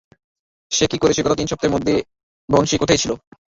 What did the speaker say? সে কি করেছে গত তিন সপ্তাহের মধ্যে এবং সে কোথায় ছিল?